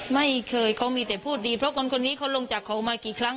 ไม่เคยเขามีแต่พูดดีเพราะคนคนนี้เขาลงจากเขามากี่ครั้ง